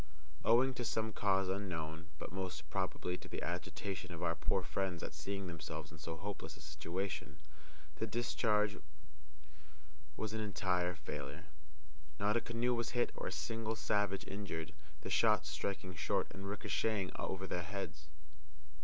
Owing to some cause unknown, but most probably to the agitation of our poor friends at seeing themselves in so hopeless a situation, the discharge was an entire failure. Not a canoe was hit or a single savage injured, the shots striking short and ricocheting over their heads.